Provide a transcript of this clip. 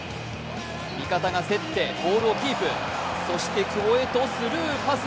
味方が競ってボールをキープ、そして久保へとスルーパス。